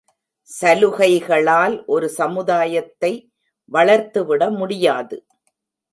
சலுகைகளால் ஒரு சமுதாயத்தை வளர்த்து விட முடியாது.